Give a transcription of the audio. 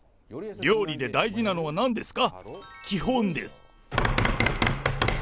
料理で大事なのはなんですか？